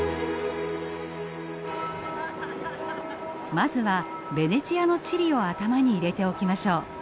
まずはベネチアの地理を頭に入れておきましょう。